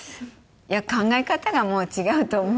考え方がもう違うと思うので。